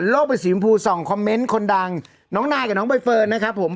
ไปสีชมพูส่องคอมเมนต์คนดังน้องนายกับน้องใบเฟิร์นนะครับผม